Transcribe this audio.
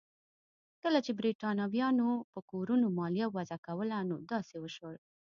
کله چې برېټانویانو په کورونو مالیه وضع کوله نو داسې وشول.